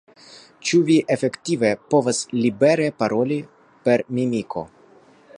Ĉu vi efektive povas libere paroli per mimiko?